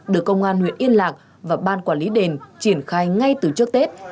được công an huyện yên lạc và ban quản lý đền triển khai ngay từ trước tết